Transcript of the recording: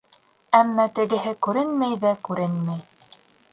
Әммә тегеһе күренмәй ҙә күренмәй.